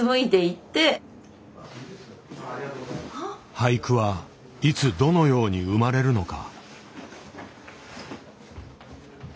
俳句はいつどのように生まれるのか。